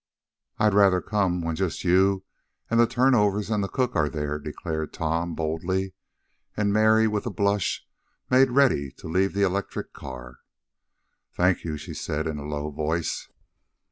"I'd rather come when just you, and the turnovers and the cook are there," declared Tom, boldly, and Mary, with a blush, made ready to leave the electric car. "Thank you," she said, in a low voice.